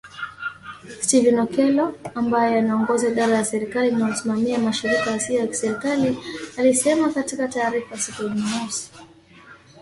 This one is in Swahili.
Stephen Okello, ambaye anaongoza idara ya serikali inayosimamia mashirika yasiyo ya kiserikali, alisema katika taarifa siku ya Jumamosi